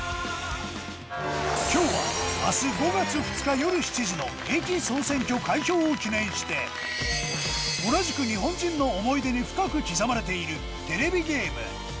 今日は明日５月２日よる７時の『駅総選挙』開票を記念して同じく日本人の思い出に深く刻まれているテレビゲーム